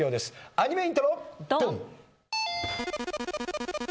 アニメイントロドン！